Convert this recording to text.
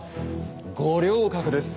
五稜郭です。